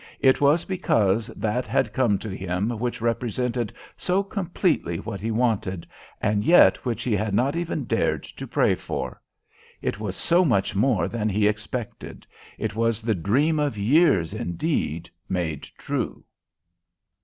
It was because that had come to him which represented so completely what he wanted, and yet which he had not even dared to pray for. It was so much more than he expected, it was the dream of years, indeed, made true.